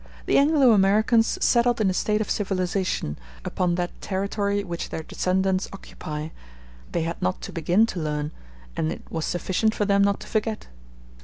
The Anglo Americans settled in a state of civilization, upon that territory which their descendants occupy; they had not to begin to learn, and it was sufficient for them not to forget.